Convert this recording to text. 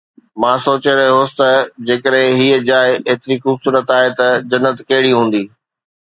مان سوچي رهيو هوس ته جيڪڏهن هيءَ جاءِ ايتري خوبصورت آهي ته جنت ڪهڙي هوندي